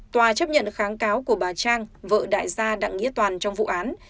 tòa chấp nhận kháng cáo của bà trang vợ đại gia đặng nghĩa toàn trong vụ án